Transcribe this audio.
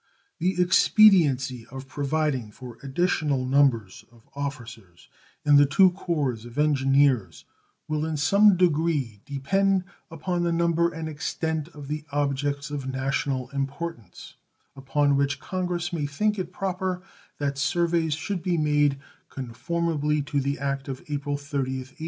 The expediency of providing for additional numbers of officers in the two corps of engineers will in some degree depend upon the number and extent of the objects of national importance upon which Congress may think it proper that surveys should be made conformably to the act of April 30th, 1824.